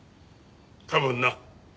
多分な。